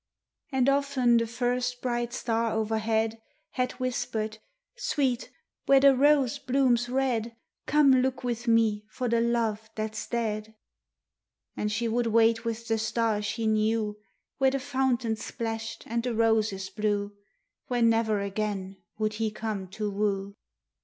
And often the first bright star o'erhead Had whispered, "Sweet, where the rose blooms red, Come look with me for the love that's dead." And she would wait with the star she knew, Where the fountain splashed and the roses blew, Where never again would he come to woo.